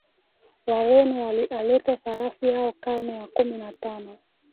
wareno walialeta sarafu yao karne ya kumi na tano